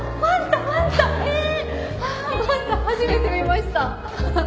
マンタ初めて見ました。